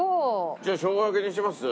じゃあしょうが焼きにします？